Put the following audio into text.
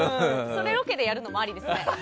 それをロケでやるのもありですね。